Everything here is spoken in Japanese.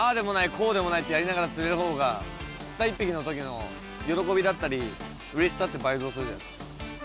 こうでもないってやりながら釣れる方が釣った一匹の時の喜びだったりうれしさって倍増するじゃないですか。